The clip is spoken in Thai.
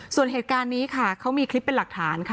ส่วนเหตุการณ์นี้ค่ะเขามีคลิปเป็นหลักฐานค่ะ